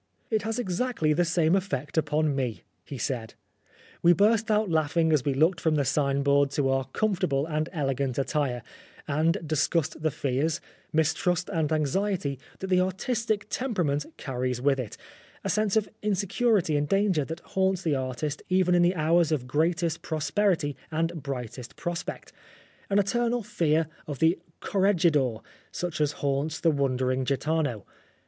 " It has exactly the same effect upon me," he said. We burst out laughing as we looked from the sign board to our comfortable and elegant attire and discussed the fears, mis trust and anxiety that the artistic tempera ment carries with it, a sense of insecurity and danger that haunts the artist even in the hours of greatest prosperity and brightest prospect, an eternal fear of the corregidor, such as haunts the wandering gitano.